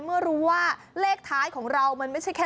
เมื่อรู้ว่าเลขท้ายของเรามันไม่ใช่แค่เลขท้าย๒ตัว